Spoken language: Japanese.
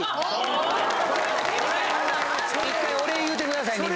１回お礼言うてくださいみんな。